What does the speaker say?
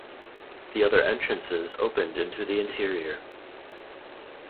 The other entrances opened into the interior.